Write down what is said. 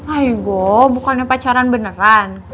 aibu bukannya pacaran beneran